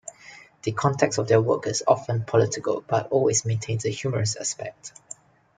The context of their work is often political, but always maintains a humorous aspect.